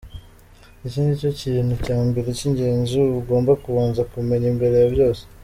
Iki nicyo kintu cya mbere k’ingenzi uba ugomba kubanza kumenya mbere ya byose.